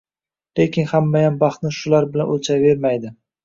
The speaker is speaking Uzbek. Lekin hammayam baxtni shular bilan o‘lchayvermaydi.